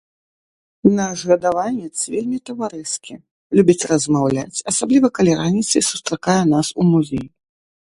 Наш гадаванец вельмі таварыскі, любіць размаўляць, асабліва калі раніцай сустракае нас у музеі.